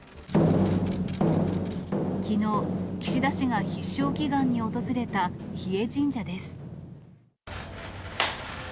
きのう、岸田氏が必勝祈願に訪れた日枝神社です。